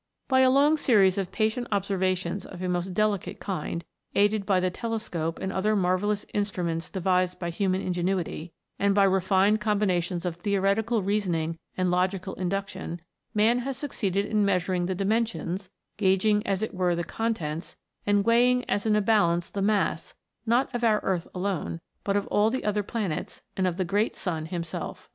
By a long series of patient observations of a most delicate kind, aided by the telescope and other mar vellous instruments devised by human ingenuity, and by refined combinations of theoretical reasoning and logical induction, man has succeeded in rnea A FLIGHT THROUGH SPACE. 177 suring the dimensions, gauging as it were the con tents, and weighing as in a balance the mass, not of our earth alone, but of all the other planets, and of the great sun himself.